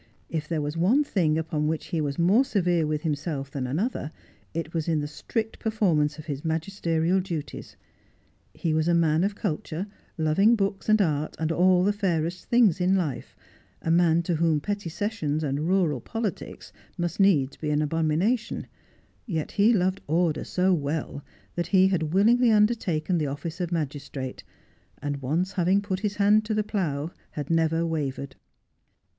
If there was one thing upon which he was more severe with himself than another it was in the strict performance of his magisterial duties. He was a man of culture, loving 20 Just as I Am. books and art, and all the fairest things in life, a man to whom petty sessions and rural politics must needs be an abomination ; yet he loved order so well that he had willingly undertaken the office of magistrate, and once having put his hand to the plough, had never wavered.